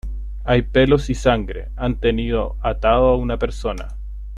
hay pelos y sangre. han tenido atado a una persona .